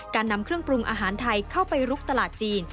นำเครื่องปรุงอาหารไทยเข้าไปลุกตลาดจีน